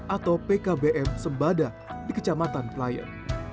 atau pkbm sembada di kecamatan klayan